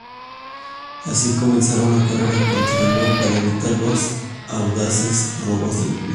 Así comenzará una carrera contrarreloj para evitar los audaces robos de Lupin.